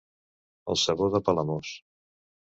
El sabó de Palamós.